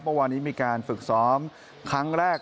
เมื่อวานนี้มีการฝึกซ้อมครั้งแรก